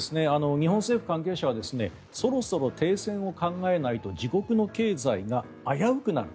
日本政府関係者はそろそろ停戦を考えないと自国の経済が危うくなる。